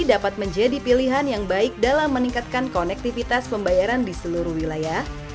dapat menjadi pilihan yang baik dalam meningkatkan konektivitas pembayaran di seluruh wilayah